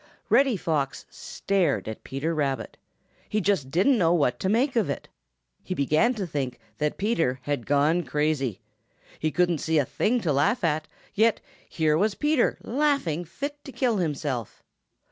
Reddy Fox stared at Peter Rabbit. He just didn't know what to make of it. He began to think that Peter had gone crazy. He couldn't see a thing to laugh at, yet here was Peter laughing fit to kill himself.